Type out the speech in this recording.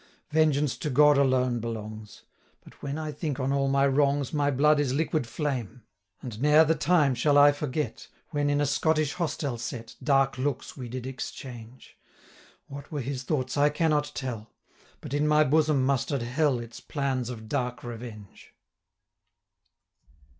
Vengeance to God alone belongs; But, when I think on all my wrongs, 225 My blood is liquid flame! And ne'er the time shall I forget, When in a Scottish hostel set, Dark looks we did exchange: What were his thoughts I cannot tell; 230 But in my bosom muster'd Hell Its plans of dark revenge.